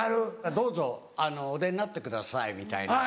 「どうぞお出になってください」みたいな。